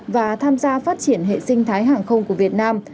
và tham gia phát triển hệ sinh thái hàng không của việt nam